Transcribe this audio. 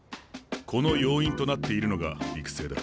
この要因となっているのが育成だ。